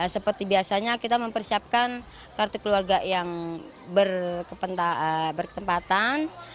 seperti biasanya kita mempersiapkan kartu keluarga yang berketempatan